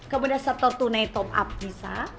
kemudian sektor tunai top up bisa